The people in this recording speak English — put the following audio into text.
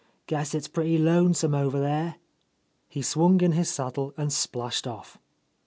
Guess it's pretty lonesome over there." He swung into his saddle and splashed off.